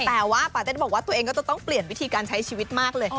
แต่ว่าปาเต็ดบอกว่าตัวเองก็จะต้องเปลี่ยนวิธีการใช้ชีวิตมากเลย